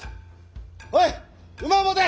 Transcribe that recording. おい馬を持て！